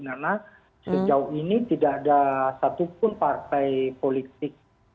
karena sejauh ini tidak ada satupun partai politik